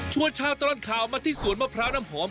ชาวตลอดข่าวมาที่สวนมะพร้าวน้ำหอม